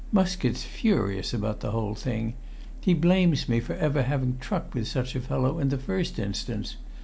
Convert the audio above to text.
Muskett's furious about the whole thing. He blames me for ever having truck with such a fellow in the first instance.